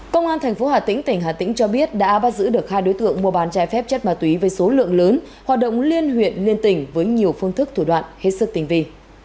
công an tp hà tĩnh tỉnh hà tĩnh cho biết đã bắt giữ được hai đối tượng mua bán trái phép chất ma túy với số lượng lớn hoạt động liên huyện liên tỉnh với nhiều phương thức thủ đoạn hết sức tình vi